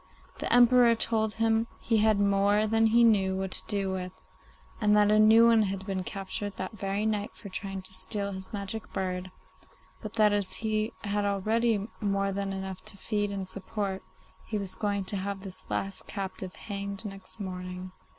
The Emperor told him he had more than he knew what to do with, and that a new one had been captured that very night for trying to steal his magic bird, but that as he had already more than enough to feed and support, he was going to have this last captive hanged next morning.